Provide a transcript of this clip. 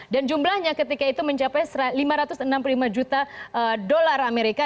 dan jumlahnya ketika itu mencapai lima ratus enam puluh lima juta dolar amerika